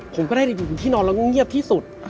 ผมก็ได้อยู่ที่นอนแล้วก็เงียบที่สุด